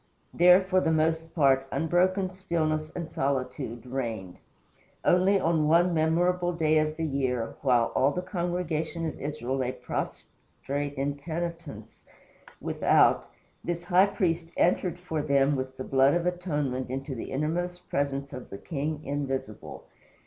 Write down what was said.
There, for the most part, unbroken stillness and solitude reigned. Only on one memorable day of the year, while all the congregation of Israel lay prostrate in penitence without, this high priest entered for them with the blood of atonement into the innermost presence of the King Invisible.